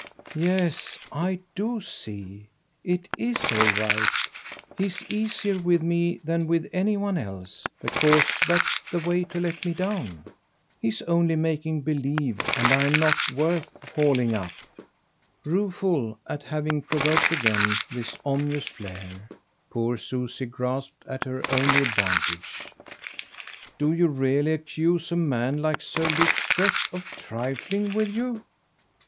"Yes I do see. It IS all right. He's easier with me than with any one else, because that's the way to let me down. He's only making believe, and I'm not worth hauling up." Rueful at having provoked again this ominous flare, poor Susie grasped at her only advantage. "Do you really accuse a man like Sir Luke Strett of trifling with you?"